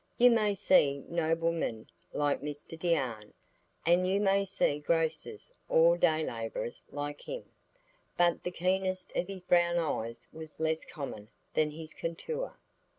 You may see noblemen like Mr Deane, and you may see grocers or day labourers like him; but the keenness of his brown eyes was less common than his contour.